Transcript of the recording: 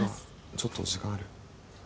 ちょっと時間ある？